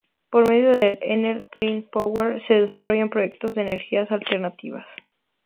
Por medio de Enel Green Power se desarrollan proyectos de energías alternativas.